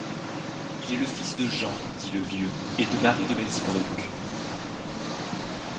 Il est le fils de Jean, dit le vieux, et de Marie de Melsbroec.